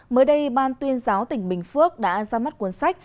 mới đây ban tuyên giáo tỉnh bình phước đã ra mắt cuốn sách